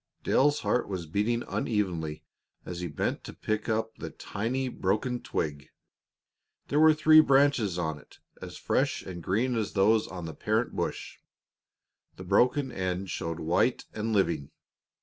Dale's heart was beating unevenly as he bent to pick up the tiny broken twig. There were three leaves on it, as fresh and green as those on the parent bush; the broken end showed white and living.